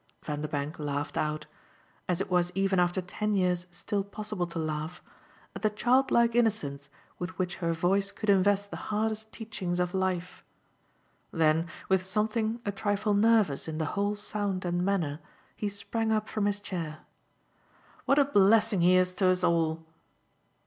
Vanderbank laughed out as it was even after ten years still possible to laugh at the childlike innocence with which her voice could invest the hardest teachings of life; then with something a trifle nervous in the whole sound and manner he sprang up from his chair. "What a blessing he is to us all!"